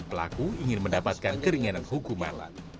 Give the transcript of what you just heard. pelaku ingin mendapatkan keringanan hukum malam